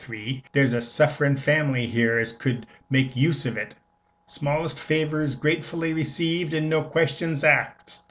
3, "there's a sufferin' family here as could make use of it. Smallest favors gratefully received, an' no questions axed."